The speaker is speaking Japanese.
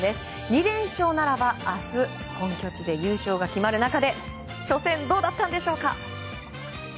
２連勝ならば明日本拠地で優勝が決まる中で初戦、どうだったのでしょうか。